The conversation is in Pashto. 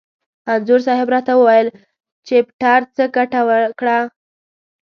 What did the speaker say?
انځور صاحب را ته وویل: چپټر څه ګټه وکړه؟